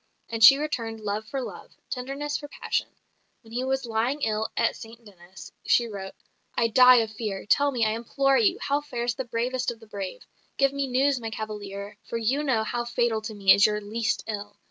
And she returned love for love; tenderness for passion. When he was lying ill at St Denis, she wrote, "I die of fear. Tell me, I implore you, how fares the bravest of the brave. Give me news, my cavalier; for you know how fatal to me is your least ill.